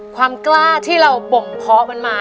ความกล้าที่เราบ่มเพาะมันมา